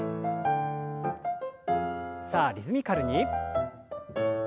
さあリズミカルに。